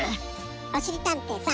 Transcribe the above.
おしりたんていさん